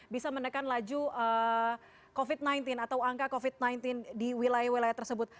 bisa menekan laju covid sembilan belas atau angka covid sembilan belas di wilayah wilayah tersebut